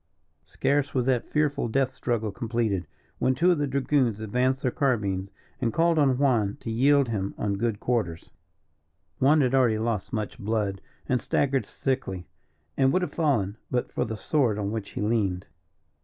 Scarce was that fearful death struggle completed, when two of the dragoons advanced their carbines and called on Juan to yield him on good quarters. Juan had already lost much blood, and staggered sickly, and would have fallen but for the sword on which he leaned.